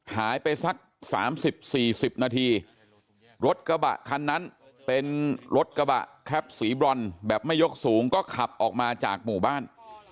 หายไปสัก๓๐๔๐นาทีรถกระบะคันนั้นเป็นรถกระบะแคปสีบรอนแบบไม่ยกสูงก็ขับออกมาจากหมู่บ้าน